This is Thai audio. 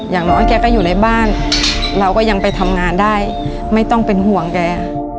อย่างน้อยแกก็อยู่ในบ้านเราก็ยังไปทำงานได้ไม่ต้องเป็นห่วงแก